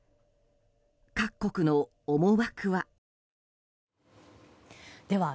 各国の思惑は。